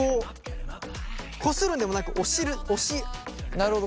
なるほど。